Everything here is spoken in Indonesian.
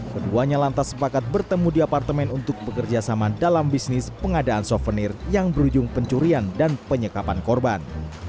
keduanya lantas sepakat bertemu di apartemen untuk bekerjasama dalam bisnis pengadaan souvenir yang berujung pencurian dan penyekapan korban